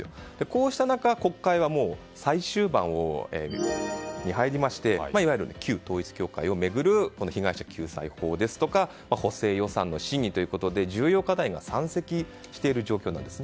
こうした中国会は最終盤に入りましていわゆる旧統一教会を巡る被害者救済法とか補正予算の審議と重要課題が山積している状況です。